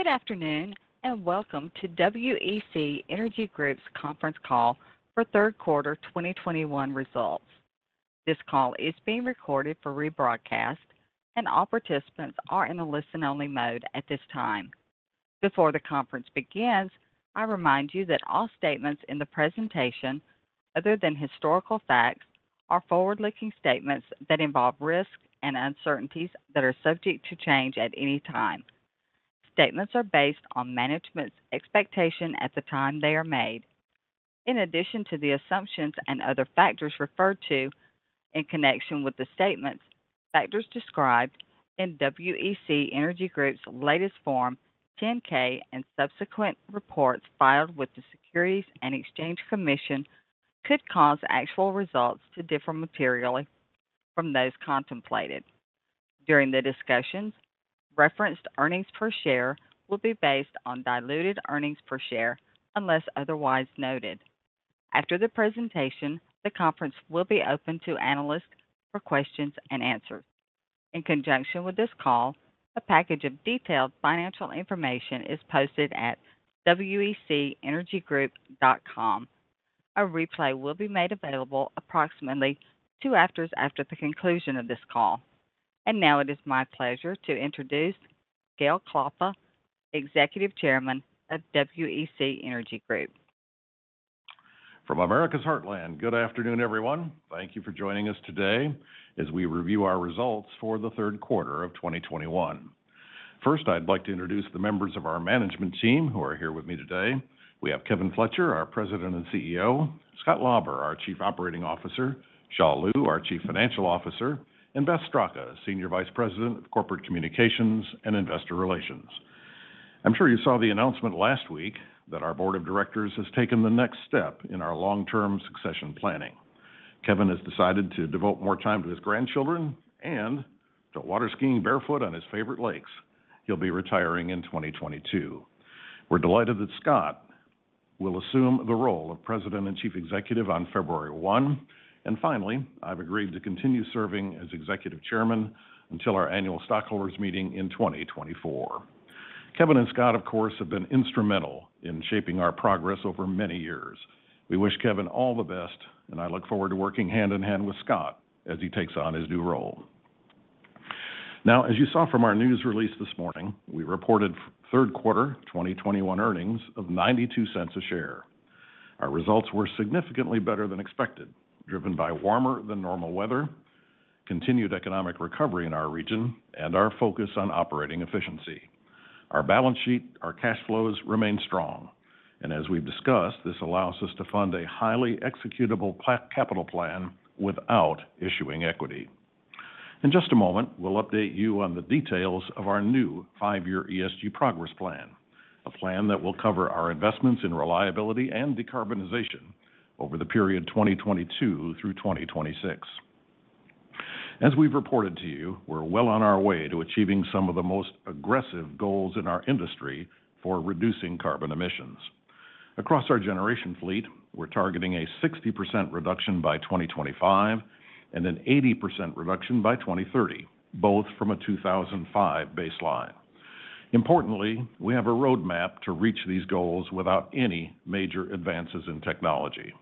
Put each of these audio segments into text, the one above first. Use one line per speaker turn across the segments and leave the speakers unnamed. Good afternoon, and welcome to WEC Energy Group's Conference Call for Third Quarter 2021 Results. This call is being recorded for rebroadcast, and all participants are in a listen-only mode at this time. Before the conference begins, I remind you that all statements in the presentation, other than historical facts, are forward-looking statements that involve risks and uncertainties that are subject to change at any time. Statements are based on management's expectation at the time they are made. In addition to the assumptions and other factors referred to in connection with the statements, factors described in WEC Energy Group's latest Form 10-K and subsequent reports filed with the Securities and Exchange Commission could cause actual results to differ materially from those contemplated. During the discussions, referenced earnings per share will be based on diluted earnings per share unless otherwise noted. After the presentation, the conference will be open to analysts for questions and answers. In conjunction with this call, a package of detailed financial information is posted at wecenergygroup.com. A replay will be made available approximately two hours after the conclusion of this call. Now it is my pleasure to introduce Gale Klappa, Executive Chairman of WEC Energy Group.
From America's Heartland, good afternoon, everyone. Thank you for joining us today as we review our results for the third quarter of 2021. First, I'd like to introduce the members of our management team who are here with me today. We have Kevin Fletcher, our President and CEO; Scott Lauber, our Chief Operating Officer; Xia Liu, our Chief Financial Officer; and Beth Straka, Senior Vice President of Corporate Communications and Investor Relations. I'm sure you saw the announcement last week that our board of directors has taken the next step in our long-term succession planning. Kevin has decided to devote more time to his grandchildren and to water skiing barefoot on his favourite lakes. He'll be retiring in 2022. We're delighted that Scott will assume the role of President and Chief Executive on February 1. Finally, I've agreed to continue serving as Executive Chairman until our annual stockholders meeting in 2024. Kevin and Scott, of course, have been instrumental in shaping our progress over many years. We wish Kevin all the best, and I look forward to working hand in hand with Scott as he takes on his new role. Now, as you saw from our news release this morning, we reported third quarter 2021 earnings of $0.92 a share. Our results were significantly better than expected, driven by warmer than normal weather, continued economic recovery in our region, and our focus on operating efficiency. Our balance sheet, our cash flows remain strong. As we've discussed, this allows us to fund a highly executable capital plan without issuing equity. In just a moment, we'll update you on the details of our new five-year ESG Progress Plan, a plan that will cover our investments in reliability and decarbonization over the period 2022 through 2026. As we've reported to you, we're well on our way to achieving some of the most aggressive goals in our industry for reducing carbon emissions. Across our generation fleet, we're targeting a 60% reduction by 2025 and an 80% reduction by 2030, both from a 2005 baseline. Importantly, we have a roadmap to reach these goals without any major advances in technology.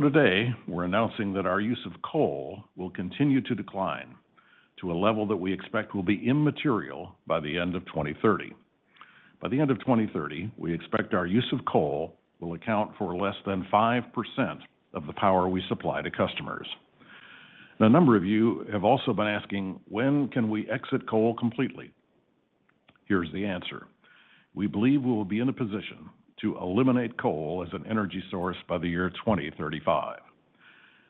Today we're announcing that our use of coal will continue to decline to a level that we expect will be immaterial by the end of 2030. By the end of 2030, we expect our use of coal will account for less than 5% of the power we supply to customers. A number of you have also been asking, when can we exit coal completely? Here's the answer. We believe we will be in a position to eliminate coal as an energy source by the year 2035.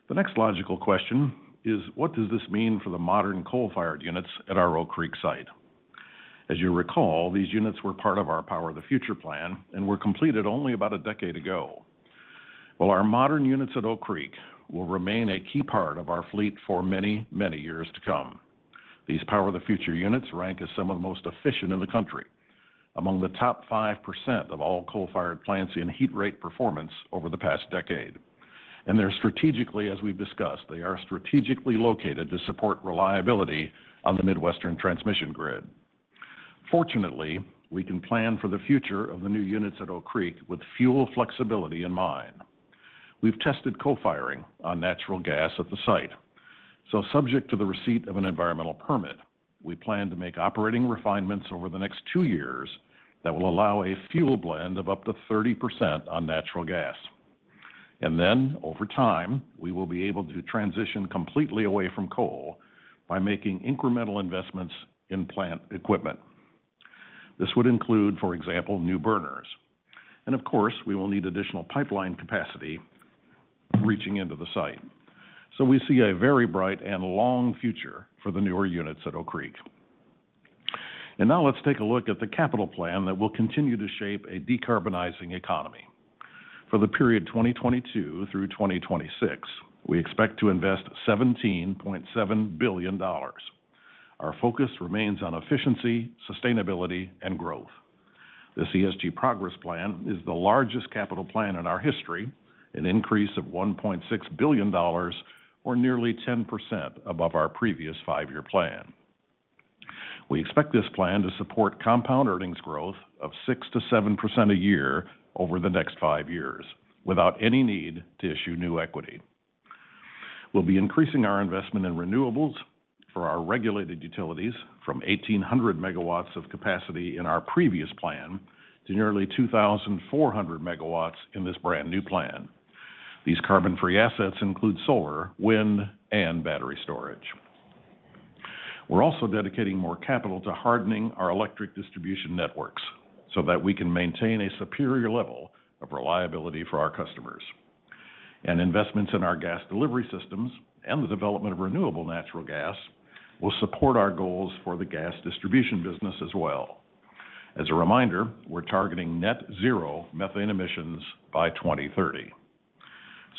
The next logical question is. What does this mean for the modern coal-fired units at our Oak Creek site? As you recall, these units were part of our Power the Future plan and were completed only about a decade ago. Well, our modern units at Oak Creek will remain a key part of our fleet for many, many years to come. These Power the Future units rank as some of the most efficient in the country, among the top 5% of all coal-fired plants in heat rate performance over the past decade. They're strategically, as we've discussed, located to support reliability on the Midwestern transmission grid. Fortunately, we can plan for the future of the new units at Oak Creek with fuel flexibility in mind. We've tested co-firing on natural gas at the site. Subject to the receipt of an environmental permit, we plan to make operating refinements over the next two years that will allow a fuel blend of up to 30% on natural gas. Then over time, we will be able to transition completely away from coal by making incremental investments in plant equipment. This would include, for example, new burners. Of course, we will need additional pipeline capacity reaching into the site. We see a very bright and long future for the newer units at Oak Creek. Now let's take a look at the capital plan that will continue to shape a decarbonizing economy. For the period 2022 through 2026, we expect to invest $17.7 billion. Our focus remains on efficiency, sustainability, and growth. The ESG Progress Plan is the largest capital plan in our history, an increase of $1.6 billion or nearly 10% above our previous five-year plan. We expect this plan to support compound earnings growth of 6%-7% a year over the next five years without any need to issue new equity. We'll be increasing our investment in renewables for our regulated utilities from 1,800 MW of capacity in our previous plan to nearly 2,400 MW in this brand-new plan. These carbon-free assets include solar, wind, and battery storage. We're also dedicating more capital to hardening our electric distribution networks so that we can maintain a superior level of reliability for our customers. Investments in our gas delivery systems and the development of Renewable Natural Gas will support our goals for the gas distribution business as well. As a reminder, we're targeting net zero methane emissions by 2030.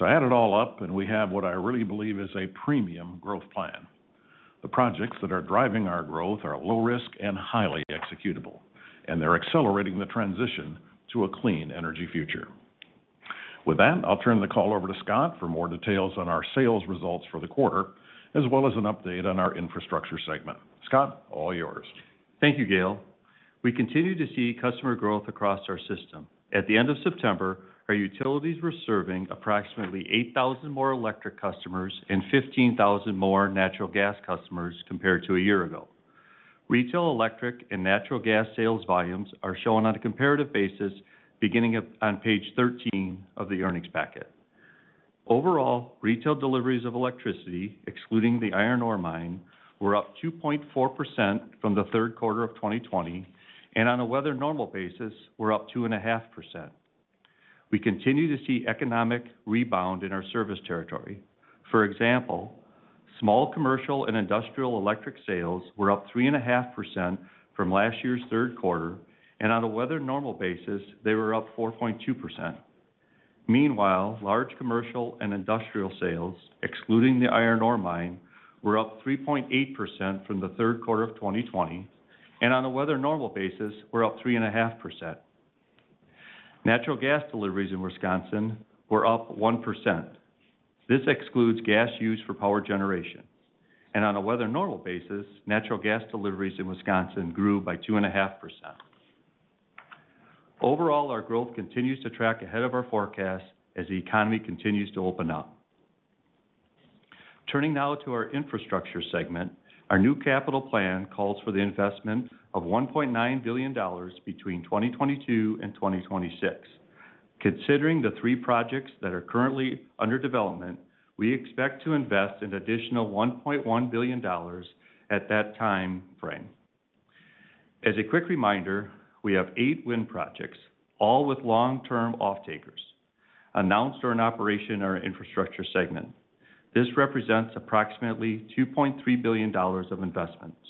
Add it all up, and we have what I really believe is a premium growth plan. The projects that are driving our growth are low risk and highly executable, and they're accelerating the transition to a clean energy future. With that, I'll turn the call over to Scott for more details on our sales results for the quarter, as well as an update on our infrastructure segment. Scott, all yours.
Thank you, Gale. We continue to see customer growth across our system. At the end of September, our utilities were serving approximately 8,000 more electric customers and 15,000 more natural gas customers compared to a year ago. Retail electric and natural gas sales volumes are shown on a comparative basis beginning on page 13 of the earnings packet. Overall, retail deliveries of electricity, excluding the iron ore mine, were up 2.4% from the third quarter of 2020, and on a weather normal basis, were up 2.5%. We continue to see economic rebound in our service territory. For example, small commercial and industrial electric sales were up 3.5% from last year's third quarter, and on a weather normal basis, they were up 4.2%. Meanwhile, large commercial and industrial sales, excluding the iron ore mine, were up 3.8% from the third quarter of 2020, and on a weather normal basis, were up 3.5%. Natural gas deliveries in Wisconsin were up 1%. This excludes gas used for power generation. On a weather normal basis, natural gas deliveries in Wisconsin grew by 2.5%. Overall, our growth continues to track ahead of our forecast as the economy continues to open up. Turning now to our infrastructure segment, our new capital plan calls for the investment of $1.9 billion between 2022 and 2026. Considering the three projects that are currently under development, we expect to invest an additional $1.1 billion at that time frame. As a quick reminder, we have eight wind projects, all with long-term off-takers, announced or in operation in our infrastructure segment. This represents approximately $2.3 billion of investments.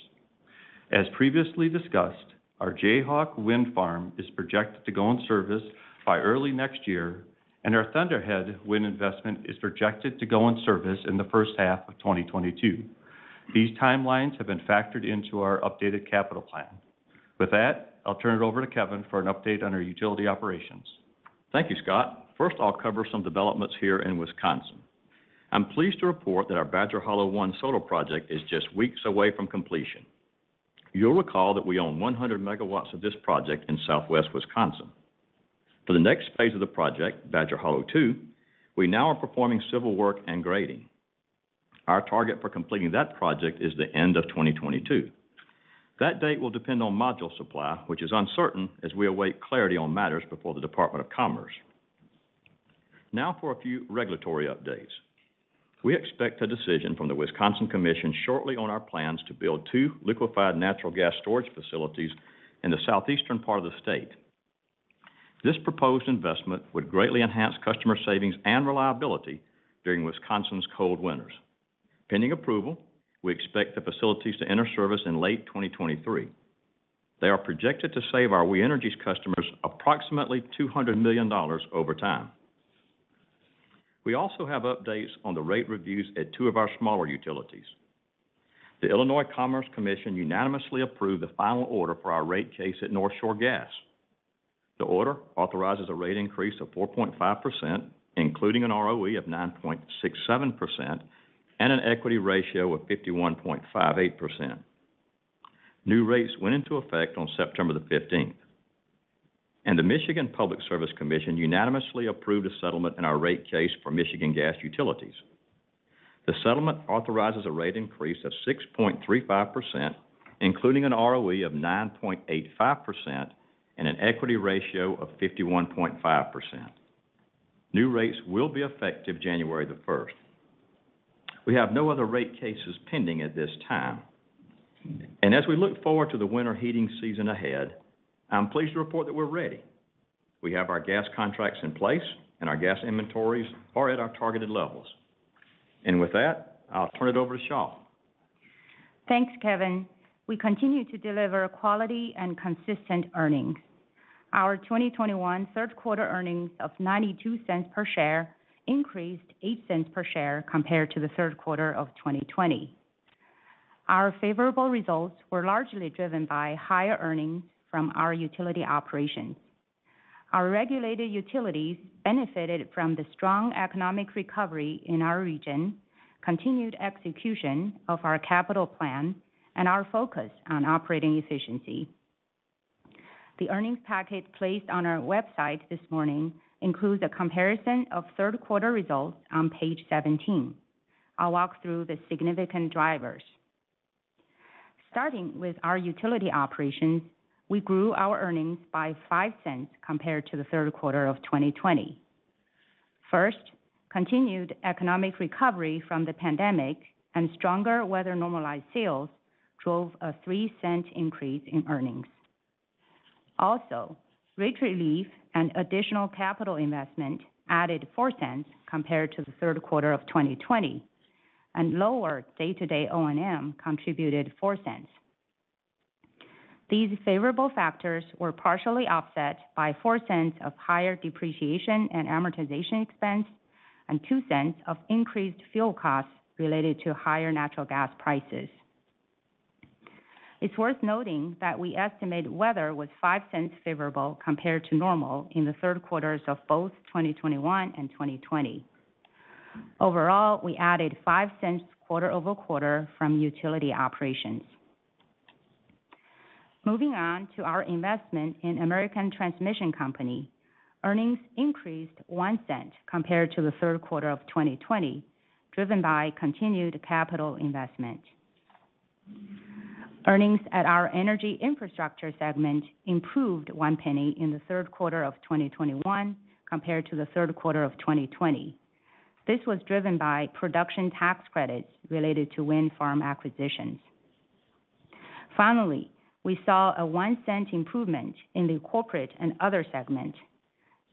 As previously discussed, our Jayhawk Wind Farm is projected to go in service by early next year, and our Thunderhead wind investment is projected to go in service in the first half of 2022. These timelines have been factored into our updated capital plan. With that, I'll turn it over to Kevin for an update on our utility operations.
Thank you, Scott. First, I'll cover some developments here in Wisconsin. I'm pleased to report that our Badger Hollow one solar project is just weeks away from completion. You'll recall that we own 100 MW of this project in Southwest Wisconsin. For the next phase of the project, Badger Hollow two, we now are performing civil work and grading. Our target for completing that project is the end of 2022. That date will depend on module supply, which is uncertain as we await clarity on matters before the Department of Commerce. Now for a few regulatory updates. We expect a decision from the Wisconsin Commission shortly on our plans to build two liquefied natural gas storage facilities in the south-eastern part of the state. This proposed investment would greatly enhance customer savings and reliability during Wisconsin's cold winters. Pending approval, we expect the facilities to enter service in late 2023. They are projected to save our We Energies customers approximately $200 million over time. We also have updates on the rate reviews at two of our smaller utilities. The Illinois Commerce Commission unanimously approved the final order for our rate case at North Shore Gas. The order authorizes a rate increase of 4.5%, including an ROE of 9.67% and an equity ratio of 51.58%. New rates went into effect on September 15. The Michigan Public Service Commission unanimously approved a settlement in our rate case for Michigan Gas Utilities. The settlement authorizes a rate increase of 6.35%, including an ROE of 9.85% and an equity ratio of 51.5%. New rates will be effective January the first. We have no other rate cases pending at this time. As we look forward to the winter heating season ahead, I'm pleased to report that we're ready. We have our gas contracts in place, and our gas inventories are at our targeted levels. With that, I'll turn it over to Xia.
Thanks, Kevin. We continue to deliver quality and consistent earnings. Our 2021 third quarter earnings of $0.92 per share increased $0.08 per share compared to the third quarter of 2020. Our favourable results were largely driven by higher earnings from our utility operations. Our regulated utilities benefited from the strong economic recovery in our region, continued execution of our capital plan, and our focus on operating efficiency. The earnings package placed on our website this morning includes a comparison of third quarter results on page 17. I'll walk through the significant drivers. Starting with our utility operations, we grew our earnings by $0.05 compared to the third quarter of 2020. First, continued economic recovery from the pandemic and stronger weather-normalized sales drove a $0.03 increase in earnings. Also, rate relief and additional capital investment added $0.04 compared to the third quarter of 2020, and lower day-to-day O&M contributed $0.04. These favourable factors were partially offset by $0.04 of higher depreciation and amortization expense and $0.02 of increased fuel costs related to higher natural gas prices. It's worth noting that we estimate weather was $0.05 favourable compared to normal in the third quarters of both 2021 and 2020. Overall, we added $0.05 quarter-over-quarter from utility operations. Moving on to our investment in American Transmission Company, earnings increased $0.01 compared to the third quarter of 2020, driven by continued capital investment. Earnings at our energy infrastructure segment improved $0.01 in the third quarter of 2021 compared to the third quarter of 2020. This was driven by production tax credits related to wind farm acquisitions. Finally, we saw a $0.01 improvement in the corporate and other segment.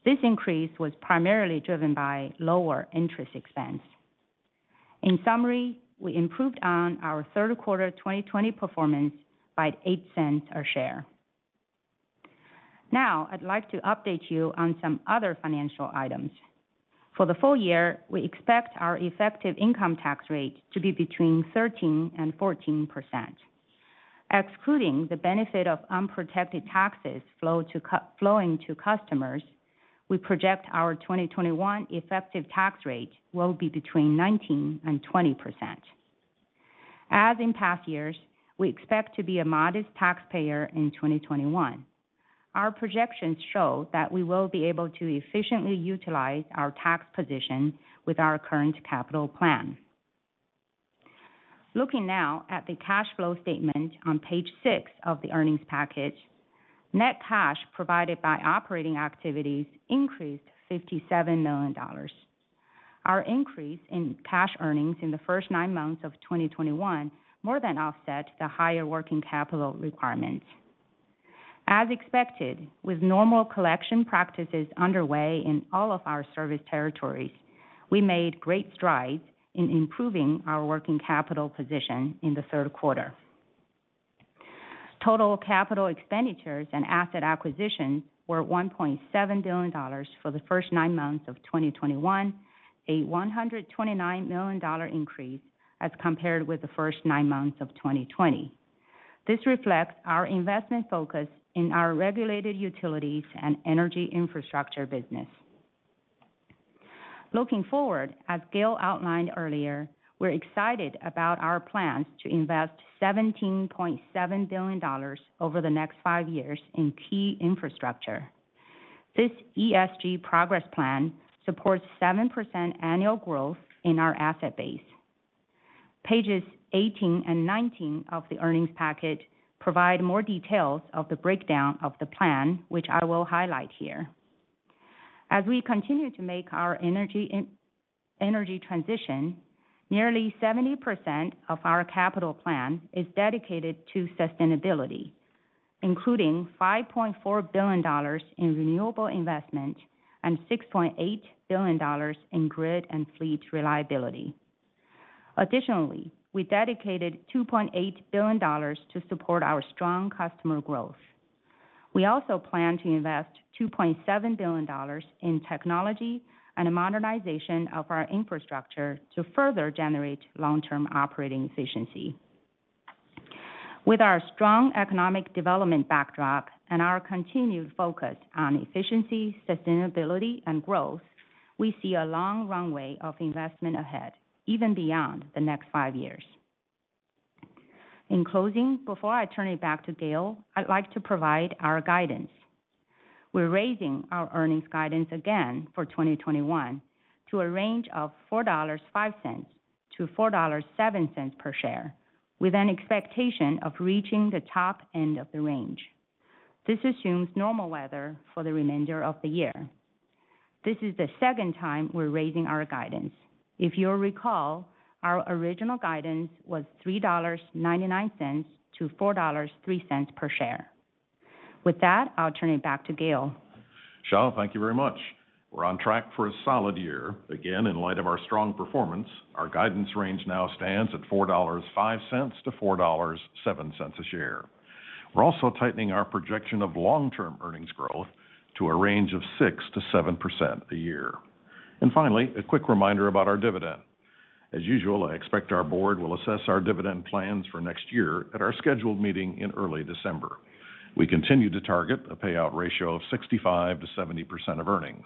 This increase was primarily driven by lower interest expense. In summary, we improved on our third quarter 2020 performance by $0.08 a share. Now I'd like to update you on some other financial items. For the full year, we expect our effective income tax rate to be between 13%-14%. Excluding the benefit of unprotected taxes flowing to customers, we project our 2021 effective tax rate will be between 19%-20%. As in past years, we expect to be a modest taxpayer in 2021. Our projections show that we will be able to efficiently utilize our tax position with our current capital plan. Looking now at the cash flow statement on page six of the earnings package, net cash provided by operating activities increased $57 million. Our increase in cash earnings in the first nine months of 2021 more than offset the higher working capital requirements. As expected, with normal collection practices underway in all of our service territories, we made great strides in improving our working capital position in the third quarter. Total capital expenditures and asset acquisitions were $1.7 billion for the first nine months of 2021, a $129 million increase as compared with the first nine months of 2020. This reflects our investment focus in our regulated utilities and energy infrastructure business. Looking forward, as Gale outlined earlier, we're excited about our plans to invest $17.7 billion over the next five years in key infrastructure. This ESG Progress Plan supports 7% annual growth in our asset base. Pages 18 and 19 of the earnings package provide more details of the breakdown of the plan, which I will highlight here. As we continue to make our energy transition, nearly 70% of our capital plan is dedicated to sustainability, including $5.4 billion in renewable investment and $6.8 billion in grid and fleet reliability. Additionally, we dedicated $2.8 billion to support our strong customer growth. We also plan to invest $2.7 billion in technology and a modernization of our infrastructure to further generate long-term operating efficiency. With our strong economic development backdrop and our continued focus on efficiency, sustainability, and growth, we see a long runway of investment ahead, even beyond the next five years. In closing, before I turn it back to Gale, I'd like to provide our guidance. We're raising our earnings guidance again for 2021 to a range of $4.05-$4.07 per share, with an expectation of reaching the top end of the range. This assumes normal weather for the remainder of the year. This is the second time we're raising our guidance. If you'll recall, our original guidance was $3.99-$4.03 per share. With that, I'll turn it back to Gale.
Xia Liu, thank you very much. We're on track for a solid year. Again, in light of our strong performance, our guidance range now stands at $4.05-$4.07 a share. We're also tightening our projection of long-term earnings growth to a range of 6%-7% a year. Finally, a quick reminder about our dividend. As usual, I expect our board will assess our dividend plans for next year at our scheduled meeting in early December. We continue to target a payout ratio of 65%-70% of earnings.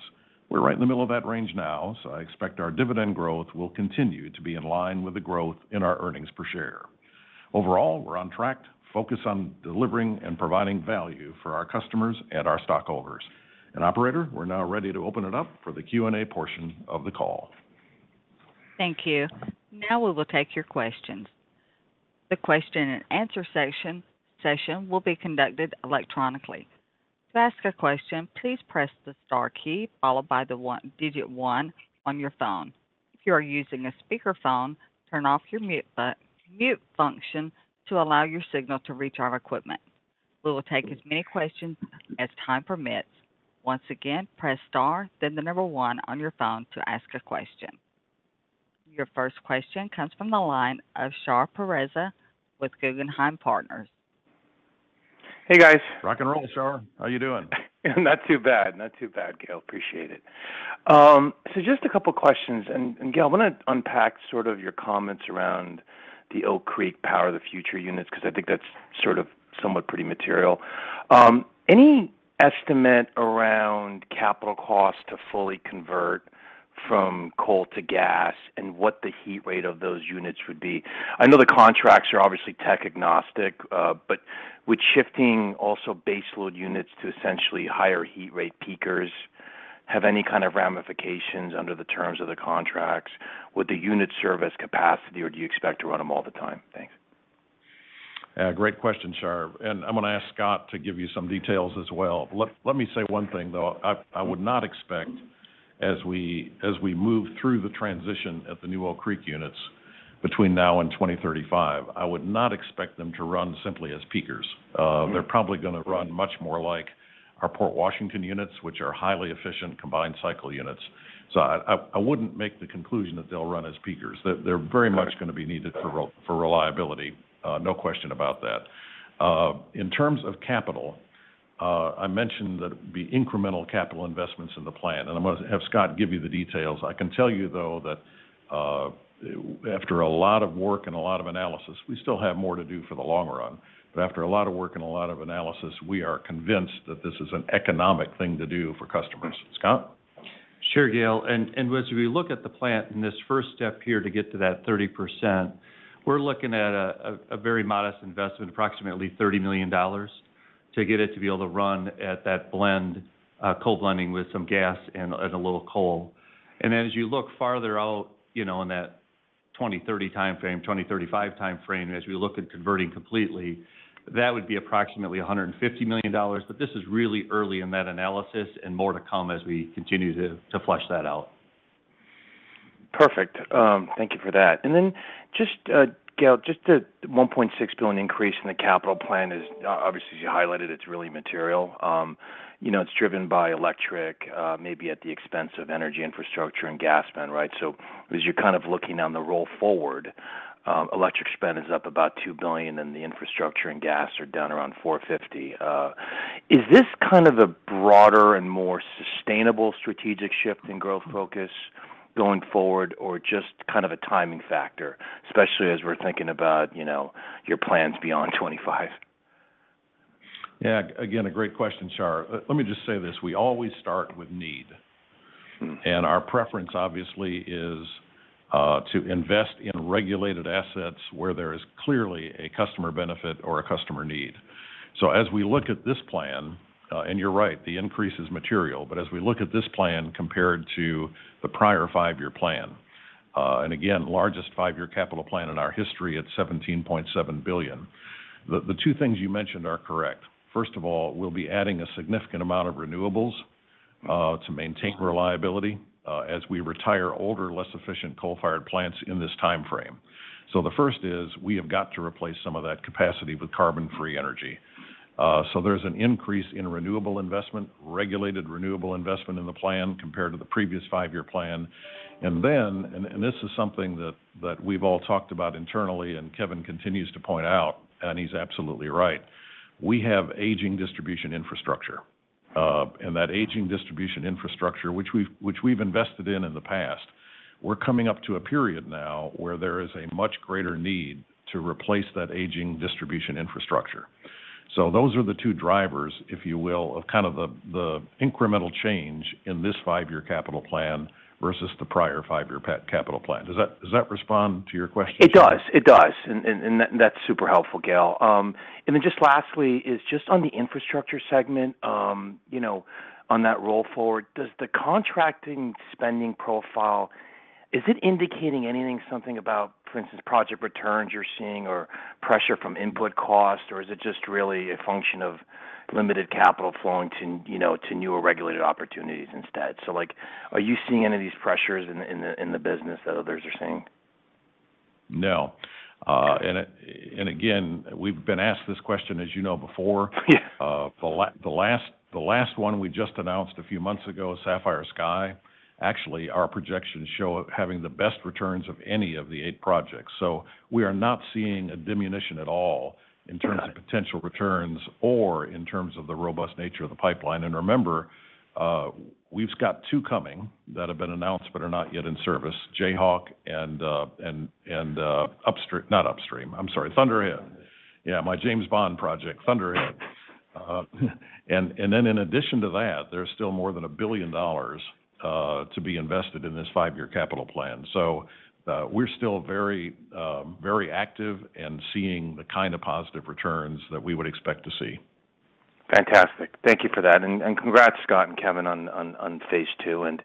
We're right in the middle of that range now, so I expect our dividend growth will continue to be in line with the growth in our earnings per share. Overall, we're on track, focused on delivering and providing value for our customers and our stockholders. Operator, we're now ready to open it up for the Q&A portion of the call.
Thank you. Now we will take your questions. The question-and-answer session will be conducted electronically. To ask a question, please press the star key followed by the digit one on your phone. If you are using a speakerphone, turn off your mute function to allow your signal to reach our equipment. We will take as many questions as time permits. Once again, press star then the number one on your phone to ask a question. Your first question comes from the line of Shar Pourreza with Guggenheim Partners.
Hey, guys.
Rock and roll, Shar. How you doing?
Not too bad. Not too bad, Gale. Appreciate it. Just a couple questions. Gale, I wanna unpack sort of your comments around the Oak Creek Power the Future units because I think that's sort of somewhat pretty material. Any estimate around capital costs to fully convert from coal to gas and what the heat rate of those units would be? I know the contracts are obviously tech agnostic, but would shifting also base load units to essentially higher heat rate peakers have any kind of ramifications under the terms of the contracts? Would the unit serve as capacity, or do you expect to run them all the time? Thanks.
Great question, Shar. I'm gonna ask Scott to give you some details as well. Let me say one thing, though. I would not expect as we move through the transition at the new Oak Creek units between now and 2035, I would not expect them to run simply as peakers.
Mm-hmm
They're probably gonna run much more like our Port Washington units, which are highly efficient combined cycle units. I wouldn't make the conclusion that they'll run as peakers. They're very much gonna be needed for reliability, no question about that. In terms of capital, I mentioned that it'd be incremental capital investments in the plan, and I'm gonna have Scott give you the details. I can tell you, though, that after a lot of work and a lot of analysis, we still have more to do for the long run. After a lot of work and a lot of analysis, we are convinced that this is an economic thing to do for customers. Scott?
Sure, Gale. As we look at the plant and this first step here to get to that 30%, we're looking at a very modest investment, approximately $30 million, to get it to be able to run at that blend, coal blending with some gas and a little coal. As you look farther out, you know, in that 2030 timeframe, 2035 timeframe, as we look at converting completely, that would be approximately $150 million. This is really early in that analysis and more to come as we continue to flesh that out.
Perfect. Thank you for that. Just, Gale, just the $1.6 billion increase in the capital plan is obviously, as you highlighted, it's really material. You know, it's driven by electric, maybe at the expense of energy infrastructure and gas spend, right? As you're kind of looking on the roll forward, electric spend is up about $2 billion, and the infrastructure and gas are down around $450 million. Is this kind of a broader and more sustainable strategic shift in growth focus going forward or just kind of a timing factor, especially as we're thinking about, you know, your plans beyond 2025?
Yeah. Again, a great question, Shar. Let me just say this, we always start with need.
Mm-hmm.
Our preference obviously is to invest in regulated assets where there is clearly a customer benefit or a customer need. As we look at this plan, and you're right, the increase is material, but as we look at this plan compared to the prior five-year plan, and again, largest five-year capital plan in our history at $17.7 billion, the two things you mentioned are correct. First of all, we'll be adding a significant amount of renewables to maintain reliability as we retire older, less efficient coal-fired plants in this timeframe. The first is we have got to replace some of that capacity with carbon-free energy. There's an increase in renewable investment, regulated renewable investment in the plan compared to the previous five-year plan. This is something that we've all talked about internally and Kevin continues to point out, and he's absolutely right, we have aging distribution infrastructure. That aging distribution infrastructure, which we've invested in in the past, we're coming up to a period now where there is a much greater need to replace that aging distribution infrastructure. Those are the two drivers, if you will, of kind of the incremental change in this five-year capital plan versus the prior five-year capital plan. Does that respond to your question?
It does. That's super helpful, Gale. Then just lastly is just on the infrastructure segment, you know, on that roll forward, does the contracting spending profile, is it indicating anything, something about, for instance, project returns you're seeing or pressure from input costs, or is it just really a function of limited capital flowing to, you know, to newer regulated opportunities instead? Like, are you seeing any of these pressures in the business that others are seeing?
No. Again, we've been asked this question, as you know, before.
Yeah.
The last one we just announced a few months ago, Sapphire Sky, actually our projections show it having the best returns of any of the eight projects. We are not seeing a diminution at all.
Got it.
In terms of potential returns or in terms of the robust nature of the pipeline. Remember, we've got two coming that have been announced but are not yet in service, Jayhawk and Thunderhead. Yeah, my James Bond project, Thunderhead. Then in addition to that, there's still more than $1 billion to be invested in this five-year capital plan. We're still very active in seeing the kind of positive returns that we would expect to see.
Fantastic. Thank you for that. Congrats, Scott and Kevin, on Phase II.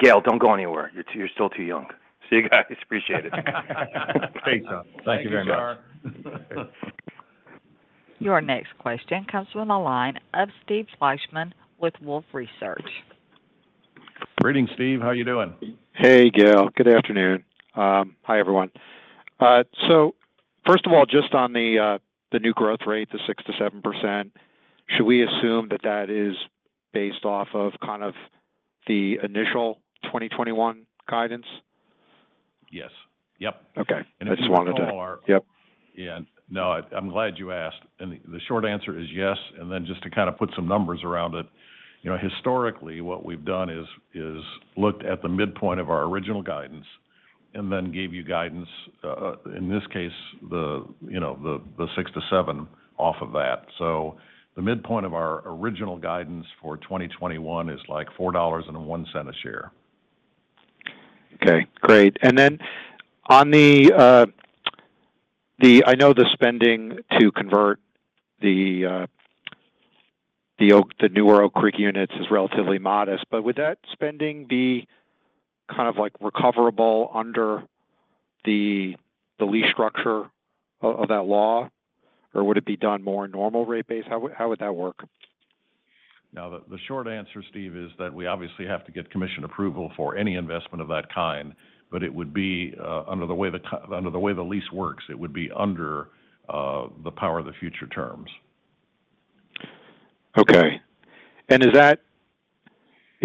Gale, don't go anywhere. You're still too young. See you guys. Appreciate it.
Thanks, Shar. Thank you very much. Thanks, Shar.
Your next question comes from the line of Steve Fleishman with Wolfe Research.
Greetings, Steve. How are you doing?
Hey, Gale. Good afternoon. Hi, everyone. First of all, just on the new growth rate, the 6%-7%, should we assume that is based off of kind of the initial 2021 guidance?
Yes. Yep.
Okay. I just wanted to.
If you know our
Yep.
Yeah. No, I'm glad you asked. The short answer is yes. Then just to kind of put some numbers around it, you know, historically, what we've done is looked at the midpoint of our original guidance and then gave you guidance in this case, you know, the 6-7 off of that. The midpoint of our original guidance for 2021 is like $4.01 a share.
Okay, great. On the, I know the spending to convert the newer Oak Creek units is relatively modest, but would that spending be kind of like recoverable under the lease structure of that law? Or would it be done more in normal rate base? How would that work?
Now, the short answer, Steve, is that we obviously have to get commission approval for any investment of that kind, but it would be under the way the lease works. It would be under the Power the Future terms.
Is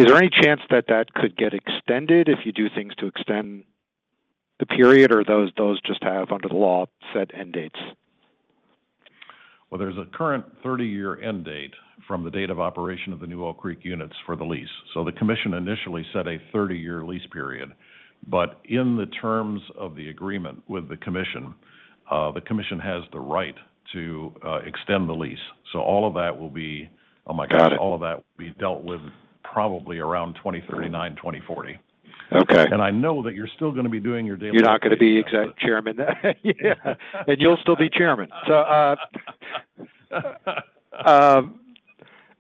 there any chance that could get extended if you do things to extend the period, or those just have, under the law, set end dates?
Well, there's a current 30-year end date from the date of operation of the new Oak Creek units for the lease. The commission initially set a 30-year lease period. In the terms of the agreement with the commission, the commission has the right to extend the lease. All of that will be. Oh my God.
Got it.
All of that will be dealt with probably around 2039-2040.
Okay.
I know that you're still gonna be doing your daily-
You're not gonna be Executive Chairman then. Yeah. You'll still be Chairman.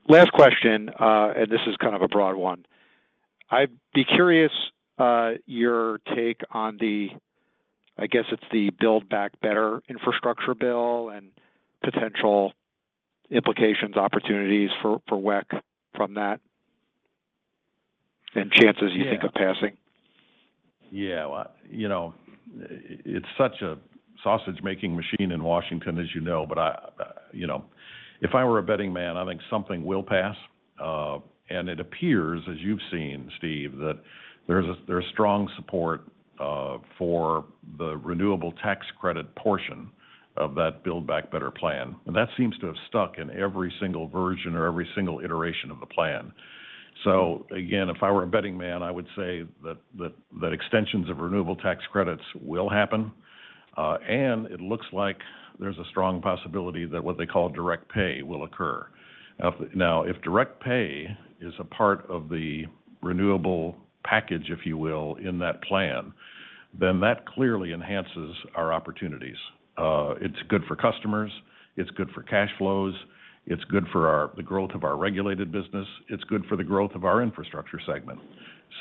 Last question, and this is kind of a broad one. I'd be curious, your take on the, I guess, it's the Build Back Better infrastructure bill and potential implications, opportunities for WEC from that, and chances-
Yeah
you think of passing.
Yeah. Well, you know, it's such a sausage-making machine in Washington, as you know. I you know, if I were a betting man, I think something will pass. It appears, as you've seen, Steve, that there's strong support for the renewable tax credit portion of that Build Back Better plan. That seems to have stuck in every single version or every single iteration of the plan. Again, if I were a betting man, I would say that extensions of renewable tax credits will happen. It looks like there's a strong possibility that what they call Direct Pay will occur. Now, if Direct Pay is a part of the renewable package, if you will, in that plan, then that clearly enhances our opportunities. It's good for customers. It's good for cash flows. It's good for the growth of our regulated business. It's good for the growth of our infrastructure segment.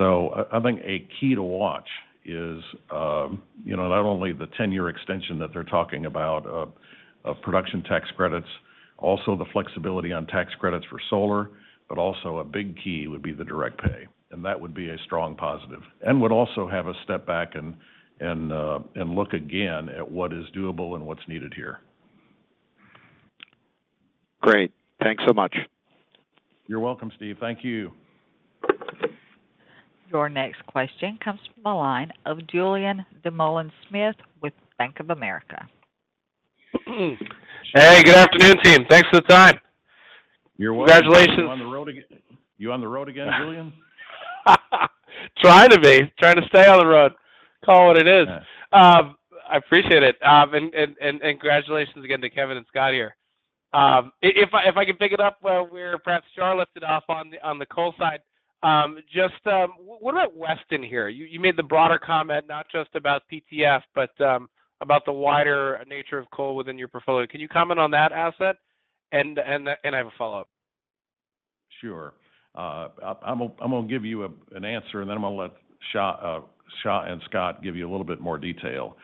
I think a key to watch is, you know, not only the 10-year extension that they're talking about of production tax credits, also the flexibility on tax credits for solar, but also a big key would be the Direct Pay. That would be a strong positive and would also have us step back and look again at what is doable and what's needed here.
Great. Thanks so much.
You're welcome, Steve. Thank you.
Your next question comes from the line of Julien Dumoulin-Smith with Bank of America.
Hey, good afternoon, team. Thanks for the time.
You're welcome.
Congratulations.
You on the road again, Julien?
Trying to be. Trying to stay on the road. Call it what it is.
Yeah.
I appreciate it. Congratulations again to Kevin and Scott here. If I can pick it up where perhaps Xia left off on the coal side, just what about Weston here? You made the broader comment not just about PTF, but about the wider nature of coal within your portfolio. Can you comment on that asset? I have a follow-up.
Sure. I'm gonna give you an answer, and then I'm gonna let Xia and Scott give you a little bit more detail.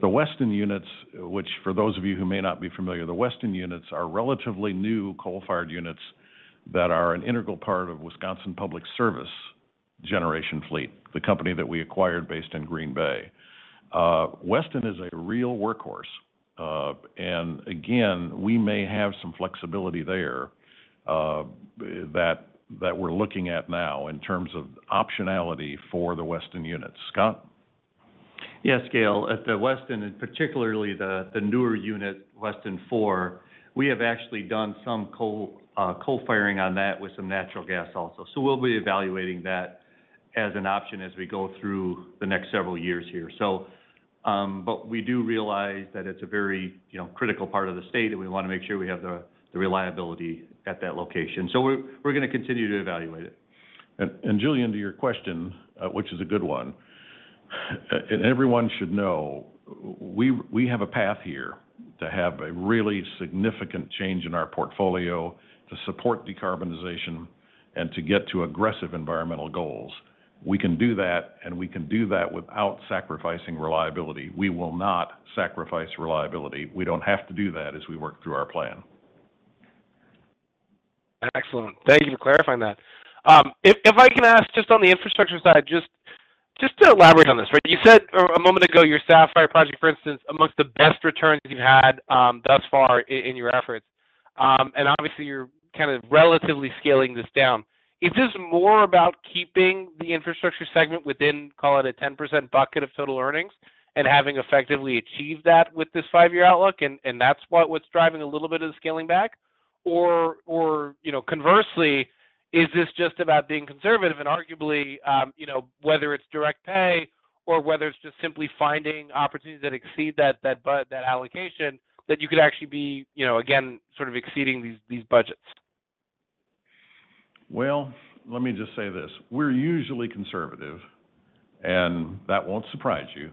The Weston units, which for those of you who may not be familiar, the Weston units are relatively new coal-fired units that are an integral part of Wisconsin Public Service generation fleet, the company that we acquired based in Green Bay. Weston is a real workhorse. Again, we may have some flexibility there, that we're looking at now in terms of optionality for the Weston units. Scott?
Yes, Gale. At the Weston, and particularly the newer unit, Weston 4, we have actually done some coal firing on that with some natural gas also. We'll be evaluating that as an option as we go through the next several years here. We do realize that it's a very, you know, critical part of the state, and we want to make sure we have the reliability at that location. We're gonna continue to evaluate it.
Julien, to your question, which is a good one, and everyone should know we have a path here to have a really significant change in our portfolio to support decarbonization and to get to aggressive environmental goals. We can do that, and we can do that without sacrificing reliability. We will not sacrifice reliability. We don't have to do that as we work through our plan.
Excellent. Thank you for clarifying that. If I can ask just on the infrastructure side, just to elaborate on this, right? You said a moment ago, your Sapphire project, for instance, among the best returns you've had, thus far in your efforts. And obviously you're kind of relatively scaling this down. Is this more about keeping the infrastructure segment within, call it, a 10% bucket of total earnings and having effectively achieved that with this five-year outlook, and that's what's driving a little bit of the scaling back? Or, you know, conversely, is this just about being conservative and arguably, you know, whether it's Direct Pay or whether it's just simply finding opportunities that exceed that allocation that you could actually be, you know, again, sort of exceeding these budgets?
Well, let me just say this. We're usually conservative, and that won't surprise you.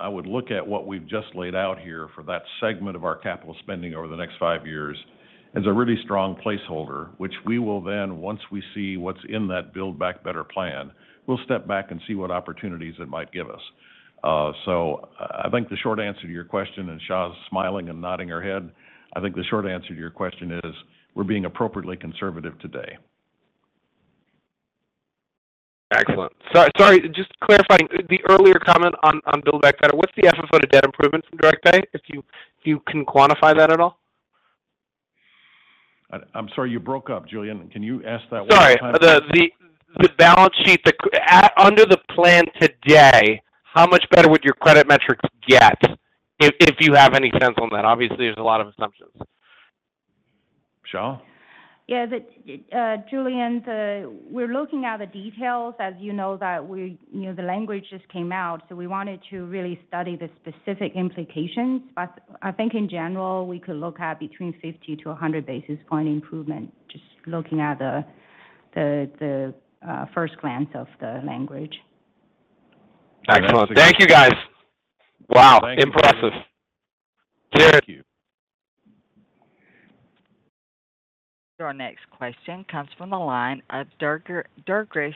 I would look at what we've just laid out here for that segment of our capital spending over the next five years as a really strong placeholder, which we will then, once we see what's in that Build Back Better plan, we'll step back and see what opportunities it might give us. I think the short answer to your question, and Xia's smiling and nodding her head, I think the short answer to your question is, we're being appropriately conservative today.
Excellent. Sorry, just clarifying. The earlier comment on Build Back Better, what's the effort on the debt improvements from Direct Pay, if you can quantify that at all?
I'm sorry, you broke up, Julien. Can you ask that one more time?
Sorry. The balance sheet, under the plan today, how much better would your credit metrics get if you have any sense on that? Obviously, there's a lot of assumptions.
Xia?
Yeah. Julien, we're looking at the details. As you know, that we, you know, the language just came out, so we wanted to really study the specific implications. But I think in general, we could look at between 50-100 basis point improvement, just looking at the first glance of the language.
That's a good-
Excellent. Thank you, guys. Wow.
Thank you.
Impressive. Cheers.
Thank you.
Your next question comes from the line of Durgesh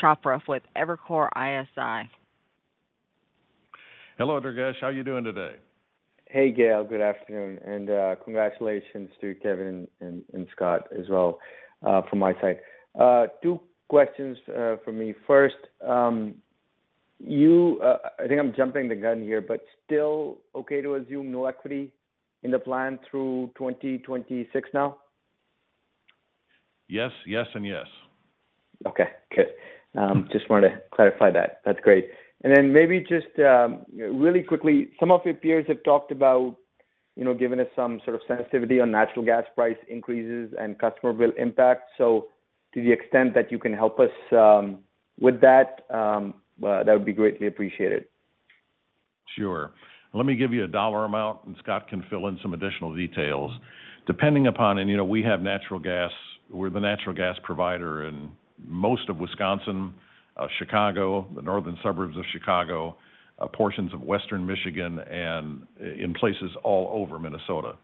Chopra with Evercore ISI.
Hello, Durgesh. How are you doing today?
Hey, Gale. Good afternoon. Congratulations to Kevin and Scott as well from my side. Two questions from me. First, I think I'm jumping the gun here, but still okay to assume no equity in the plan through 2026 now?
Yes, yes, and yes.
Okay. Good. Just wanted to clarify that. That's great. Maybe just, really quickly, some of your peers have talked about, you know, giving us some sort of sensitivity on natural gas price increases and customer bill impact. To the extent that you can help us with that, well, that would be greatly appreciated.
Sure. Let me give you a dollar amount, and Scott can fill in some additional details. Depending upon, and you know, we have natural gas. We're the natural gas provider in most of Wisconsin, Chicago, the northern suburbs of Chicago, portions of western Michigan, and in places all over Minnesota.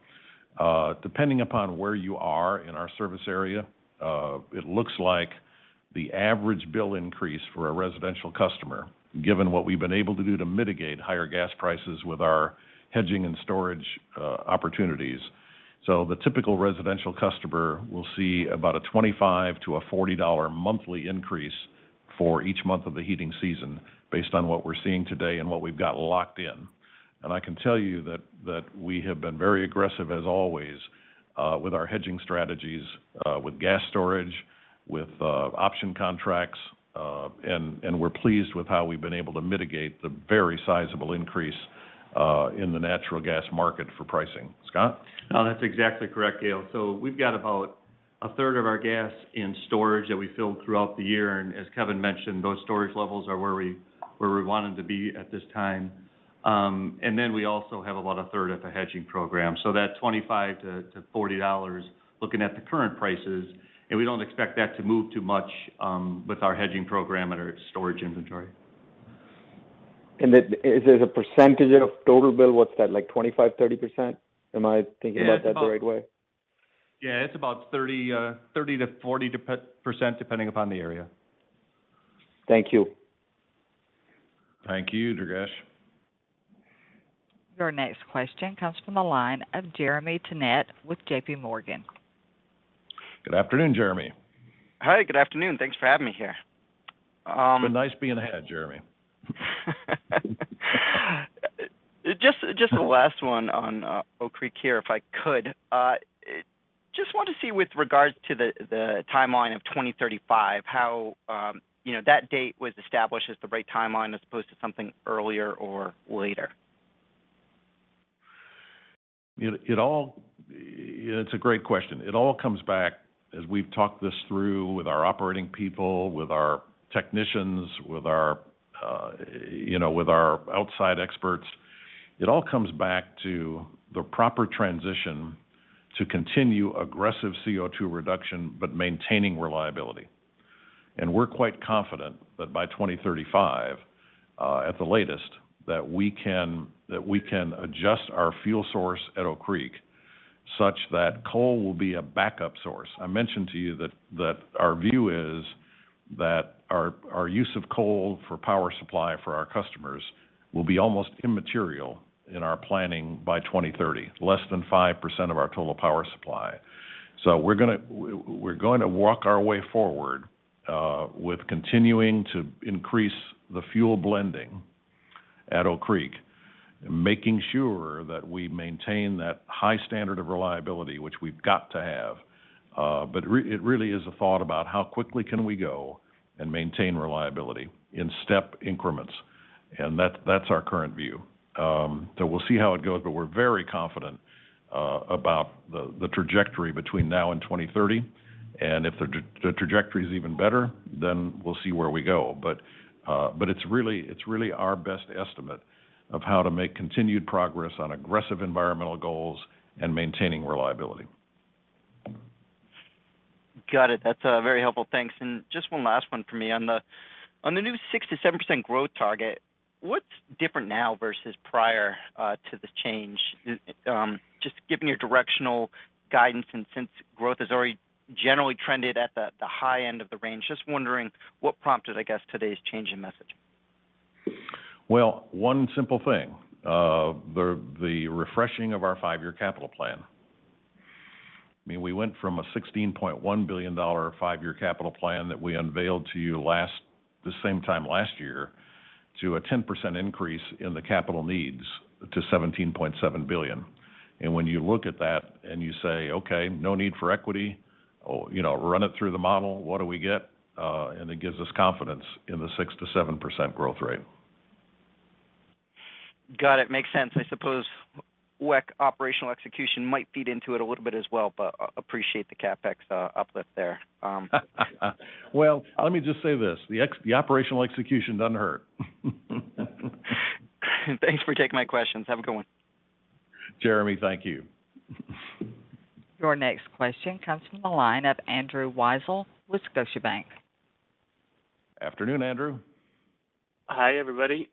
Depending upon where you are in our service area, it looks like the average bill increase for a residential customer, given what we've been able to do to mitigate higher gas prices with our hedging and storage opportunities. The typical residential customer will see about a $25-$40 monthly increase for each month of the heating season based on what we're seeing today and what we've got locked in. I can tell you that we have been very aggressive, as always, with our hedging strategies, with gas storage, with option contracts, and we're pleased with how we've been able to mitigate the very sizable increase in the natural gas market for pricing. Scott?
No, that's exactly correct, Gale. We've got about a third of our gas in storage that we fill throughout the year. As Kevin mentioned, those storage levels are where we wanted to be at this time. Then we also have about a third at the hedging program. That $25-$40, looking at the current prices, and we don't expect that to move too much, with our hedging program and our storage inventory.
Is there a percentage of total bill? What's that? Like, 25%, 30%? Am I thinking about that the right way?
Yeah, it's about 30%-40%, depending upon the area.
Thank you.
Thank you, Durgesh.
Your next question comes from the line of Jeremy Tonet with JP Morgan.
Good afternoon, Jeremy.
Hi, good afternoon. Thanks for having me here.
It's been nice being ahead, Jeremy.
Just the last one on Oak Creek here, if I could. Just wanted to see with regards to the timeline of 2035, how you know, that date was established as the right timeline as opposed to something earlier or later?
It's a great question. It all comes back, as we've talked this through with our operating people, with our technicians, with our outside experts, it all comes back to the proper transition to continue aggressive CO2 reduction, but maintaining reliability. We're quite confident that by 2035, at the latest, that we can adjust our fuel source at Oak Creek such that coal will be a backup source. I mentioned to you that our view is that our use of coal for power supply for our customers will be almost immaterial in our planning by 2030, less than 5% of our total power supply. We're going to work our way forward with continuing to increase the fuel blending at Oak Creek, making sure that we maintain that high standard of reliability, which we've got to have. It really is a thought about how quickly can we go and maintain reliability in step increments, and that's our current view. We'll see how it goes, but we're very confident about the trajectory between now and 2030, and if the trajectory is even better, then we'll see where we go. It's really our best estimate of how to make continued progress on aggressive environmental goals and maintaining reliability.
Got it. That's very helpful. Thanks. Just one last one for me. On the new 6%-7% growth target, what's different now versus prior to the change? Just giving you directional guidance, and since growth has already generally trended at the high end of the range, just wondering what prompted, I guess, today's change in message.
Well, one simple thing, the refreshing of our five-year capital plan. I mean, we went from a $16.1 billion five-year capital plan that we unveiled to you this same time last year to a 10% increase in the capital needs to $17.7 billion. When you look at that and you say, "Okay, no need for equity," you know, run it through the model, what do we get? It gives us confidence in the 6%-7% growth rate.
Got it. Makes sense. I suppose WEC operational execution might feed into it a little bit as well, but appreciate the CapEx uplift there.
Well, let me just say this. The operational execution doesn't hurt.
Thanks for taking my questions. Have a good one.
Jeremy, thank you.
Your next question comes from the line of Andrew Weisel with Scotiabank.
Afternoon, Andrew.
Hi, everybody.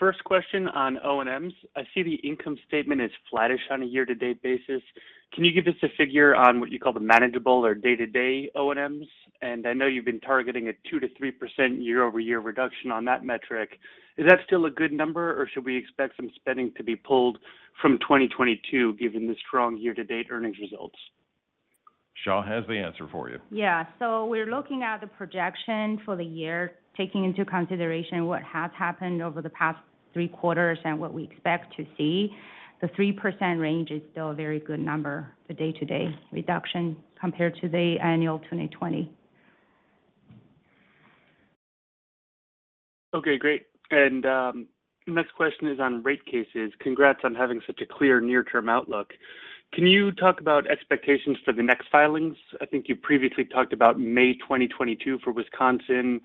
First question on O&Ms. I see the income statement is flattish on a year-to-date basis. Can you give us a figure on what you call the manageable or day-to-day O&Ms? I know you've been targeting a 2%-3% year-over-year reduction on that metric. Is that still a good number, or should we expect some spending to be pulled from 2022, given the strong year-to-date earnings results?
Xia has the answer for you.
Yeah. We're looking at the projection for the year, taking into consideration what has happened over the past three quarters and what we expect to see. The 3% range is still a very good number for day-to-day reduction compared to the annual 2020.
Okay, great. Next question is on rate cases. Congrats on having such a clear near-term outlook. Can you talk about expectations for the next filings? I think you previously talked about May 2022 for Wisconsin.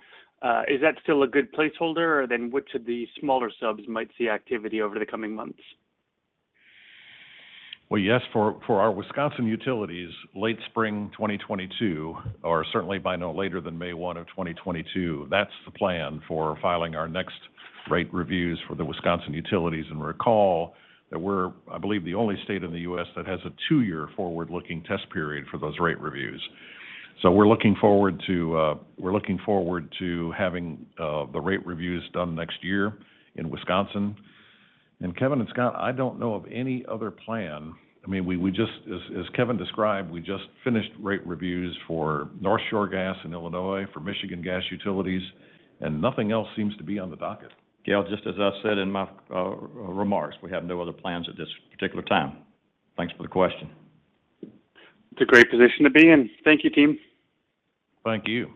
Is that still a good placeholder? Or then which of the smaller subs might see activity over the coming months?
Well, yes, for our Wisconsin utilities, late spring 2022, or certainly by no later than May 1, 2022, that's the plan for filing our next rate reviews for the Wisconsin utilities. Recall that we're, I believe, the only state in the U.S. that has a two year forward-looking test period for those rate reviews. We're looking forward to having the rate reviews done next year in Wisconsin. Kevin and Scott, I don't know of any other plan. I mean, we just, as Kevin described, we just finished rate reviews for North Shore Gas in Illinois, for Michigan Gas Utilities, and nothing else seems to be on the docket.
Gale, just as I said in my remarks, we have no other plans at this particular time. Thanks for the question.
It's a great position to be in. Thank you, team.
Thank you.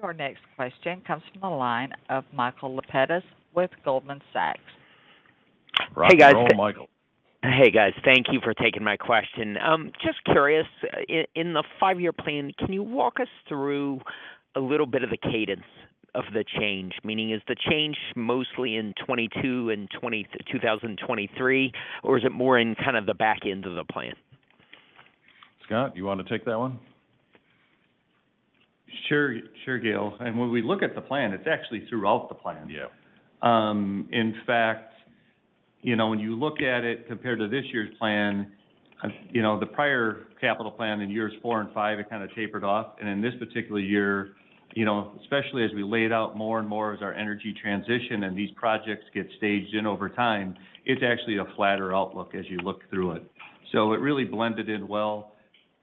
Your next question comes from the line of Michael Lapides with Goldman Sachs.
Rock and roll, Michael.
Hey, guys. Thank you for taking my question. Just curious, in the five-year plan, can you walk us through a little bit of the cadence of the change? Meaning, is the change mostly in 2022 and 2023, or is it more in kind of the back end of the plan?
Scott, you want to take that one?
Sure. Sure, Gale. When we look at the plan, it's actually throughout the plan.
Yeah.
In fact, you know, when you look at it compared to this year's plan, you know, the prior capital plan in years four and five, it kind of tapered off. In this particular year, you know, especially as we laid out more and more as our energy transition and these projects get staged in over time, it's actually a flatter outlook as you look through it. It really blended in well.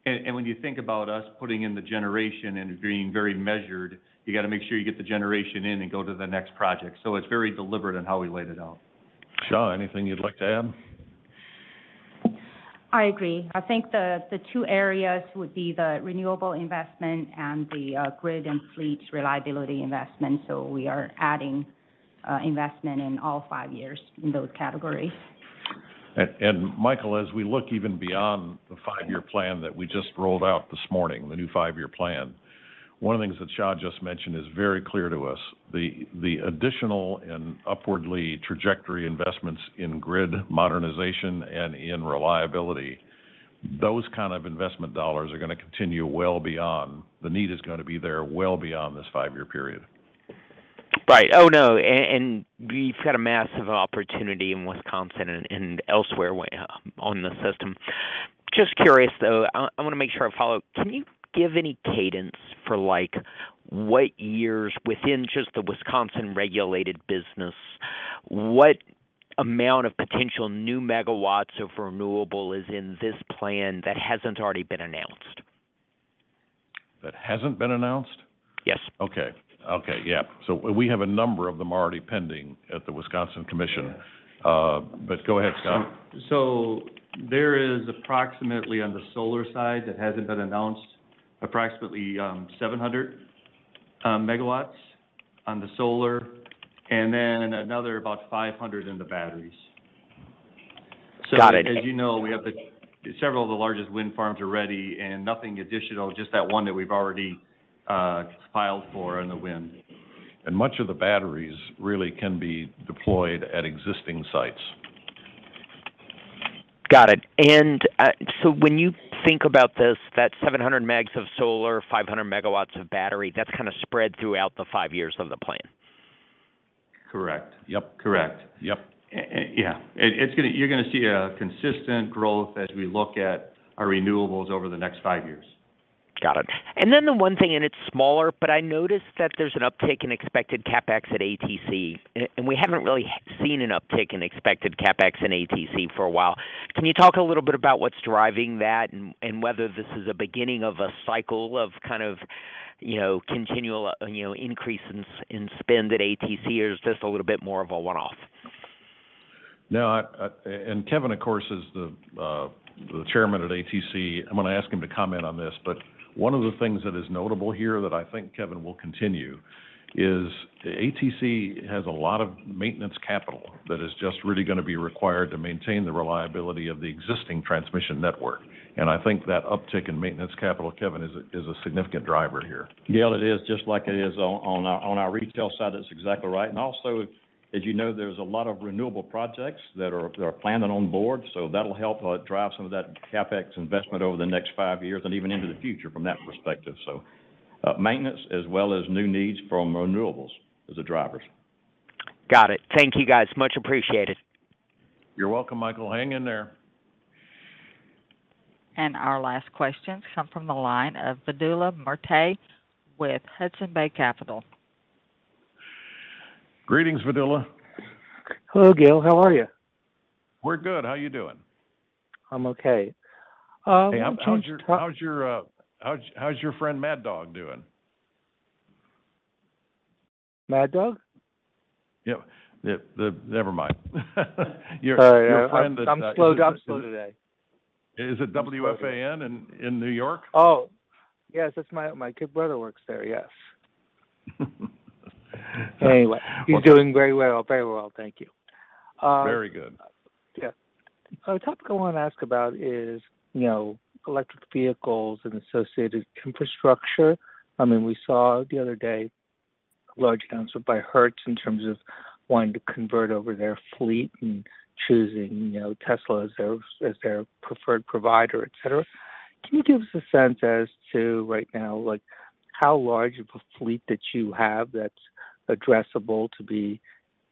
When you think about us putting in the generation and being very measured, you gotta make sure you get the generation in and go to the next project. It's very deliberate in how we laid it out.
Xia, anything you'd like to add?
I agree. I think the two areas would be the renewable investment and the grid and fleet reliability investment. We are adding investment in all five years in those categories.
Michael, as we look even beyond the five-year plan that we just rolled out this morning, the new five-year plan, one of the things that Xia just mentioned is very clear to us. The additional and upward trajectory investments in grid modernization and in reliability, those kind of investment dollars are gonna continue well beyond the five-year period. The need is gonna be there well beyond this five-year period.
Right. Oh, no, and we've got a massive opportunity in Wisconsin and elsewhere on the system. Just curious though, I wanna make sure I follow. Can you give any cadence for, like, what years within just the Wisconsin regulated business, what amount of potential new MWs of renewable is in this plan that hasn't already been announced?
That hasn't been announced?
Yes.
We have a number of them already pending at the Wisconsin Commission.
Yeah.
Go ahead, Scott.
There is approximately, on the solar side that hasn't been announced, approximately 700 MW on the solar and then another about 500 MW in the batteries.
Got it.
As you know, we have several of the largest wind farms already and nothing additional, just that one that we've already filed for in the wind.
Much of the batteries really can be deployed at existing sites.
Got it. When you think about this, that 700 MW of solar, 500 MW of battery, that's kind of spread throughout the five years of the plan?
Correct.
Yep.
Correct.
Yep.
Yeah. You're gonna see a consistent growth as we look at our renewables over the next five years.
Got it. The one thing, and it's smaller, but I noticed that there's an uptick in expected CapEx at ATC. We haven't really seen an uptick in expected CapEx in ATC for a while. Can you talk a little bit about what's driving that and whether this is a beginning of a cycle of kind of, you know, continual, you know, increase in spend at ATC or is this a little bit more of a one-off?
Now, Kevin, of course, is the Chairman at ATC. I'm gonna ask him to comment on this. One of the things that is notable here that I think Kevin will continue is ATC has a lot of maintenance capital that is just really gonna be required to maintain the reliability of the existing transmission network, and I think that uptick in maintenance capital, Kevin, is a significant driver here.
Yeah, it is, just like it is on our retail side, that's exactly right. Also, as you know, there's a lot of renewable projects that are planned and on board, so that'll help drive some of that CapEx investment over the next five years and even into the future from that perspective. Maintenance as well as new needs from renewables is the drivers.
Got it. Thank you, guys. Much appreciated.
You're welcome, Michael. Hang in there.
Our last question comes from the line of Vedula Murti with Hudson Bay Capital.
Greetings, Vedula.
Hello, Gale. How are you?
We're good. How you doing?
I'm okay. I want to
Hey, how's your friend Mad Dog doing?
Mad Dog?
Yep. Never mind. Your-
Sorry.
Your friend that
I'm slow today.
Is it WFAN in New York?
Oh. Yes, that's my kid brother works there. Yes. Anyway.
Well-
He's doing very well, thank you.
Very good.
Yeah. A topic I wanna ask about is, you know, electric vehicles and associated infrastructure. I mean, we saw the other day a large announcement by Hertz in terms of wanting to convert over their fleet and choosing, you know, Tesla as their preferred provider, et cetera. Can you give us a sense as to right now, like, how large of a fleet that you have that's addressable to be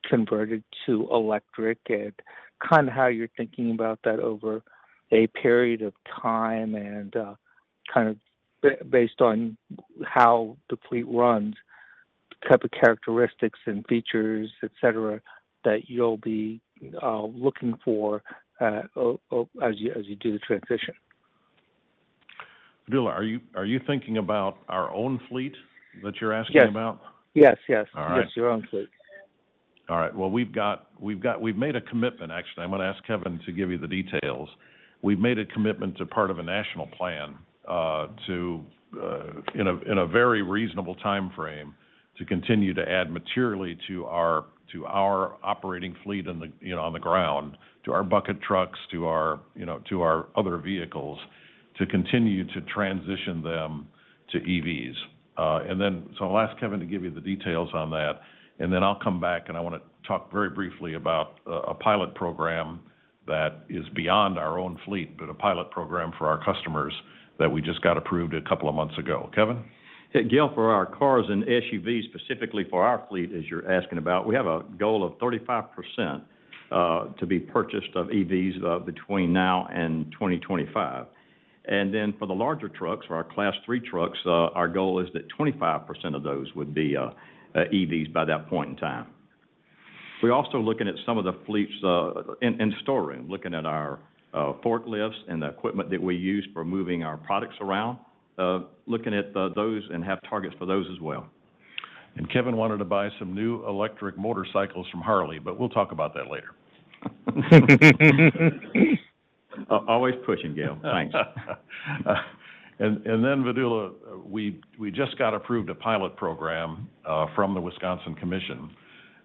converted to electric and kinda how you're thinking about that over a period of time and kind of based on how the fleet runs, type of characteristics and features, et cetera, that you'll be looking for as you do the transition?
Vedula, are you thinking about our own fleet that you're asking about?
Yes. Yes, yes.
All right.
Yes, your own fleet.
All right. Well, we've made a commitment, actually. I'm gonna ask Kevin to give you the details. We've made a commitment to part of a national plan, in a very reasonable timeframe to continue to add materially to our operating fleet on the ground, you know, to our bucket trucks, you know, to our other vehicles, to continue to transition them to EVs. I'll ask Kevin to give you the details on that, and then I'll come back, and I wanna talk very briefly about a pilot program that is beyond our own fleet, but a pilot program for our customers that we just got approved a couple of months ago. Kevin?
Yeah, Gale, for our cars and SUVs, specifically for our fleet as you're asking about, we have a goal of 35% to be purchased of EVs between now and 2025. For the larger trucks, for our Class 3 trucks, our goal is that 25% of those would be EVs by that point in time. We're also looking at some of the fleets in storeroom, looking at our forklifts and the equipment that we use for moving our products around, looking at those and have targets for those as well.
Kevin wanted to buy some new electric motorcycles from Harley, but we'll talk about that later.
Always pushing, Gale. Thanks.
Then Vedula, we just got approved a pilot program from the Wisconsin Commission.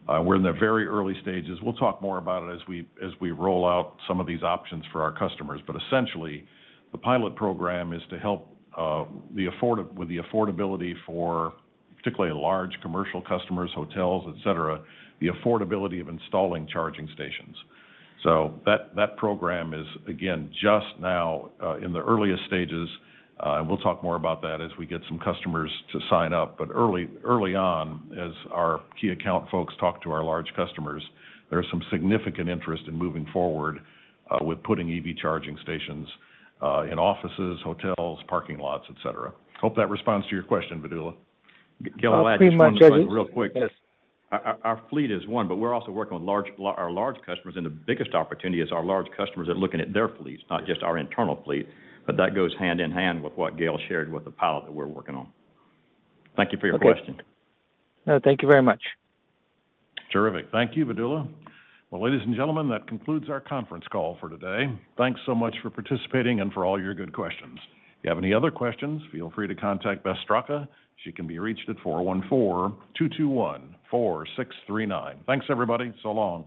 We're in the very early stages. We'll talk more about it as we roll out some of these options for our customers. Essentially, the pilot program is to help with the affordability for particularly large commercial customers, hotels, et cetera, the affordability of installing charging stations. That program is, again, just now in the earliest stages. We'll talk more about that as we get some customers to sign up. Early on, as our key account folks talk to our large customers, there's some significant interest in moving forward with putting EV charging stations in offices, hotels, parking lots, et cetera. Hope that responds to your question, Vedula.
Gale, I'll just one more thing real quick.
Pretty much. Yes.
Our fleet is one, but we're also working with our large customers, and the biggest opportunity is our large customers are looking at their fleets, not just our internal fleet, but that goes hand in hand with what Gale shared with the pilot that we're working on. Thank you for your question.
Okay. No, thank you very much.
Terrific. Thank you, Vedula. Well, ladies and gentlemen, that concludes our conference call for today. Thanks so much for participating and for all your good questions. If you have any other questions, feel free to contact Beth Straka. She can be reached at 414-221-4639. Thanks, everybody. So long.